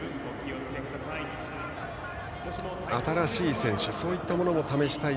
新しい選手そういったものも試したい。